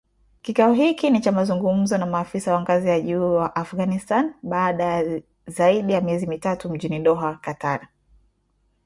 Kikao hiki ni cha mazungumzo na maafisa wa ngazi ya juu wa Afghanistan, baada ya zaidi ya miezi mitatu, mjini Doha, Qatar